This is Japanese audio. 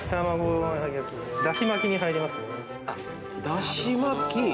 だし巻き！